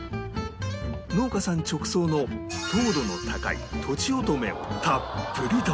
農家さん直送の糖度の高いとちおとめをたっぷりと